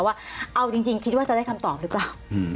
ว่าเอาจริงคิดว่าจะได้คำตอบหรือเปล่า